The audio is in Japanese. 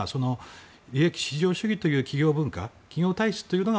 利益至上主義という企業文化、企業体質というのが